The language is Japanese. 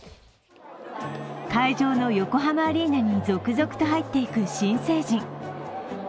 会場の横浜アリーナに続々と入っていく新成人。